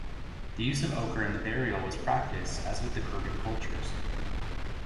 The use of ochre in the burial was practiced, as with the kurgan cultures.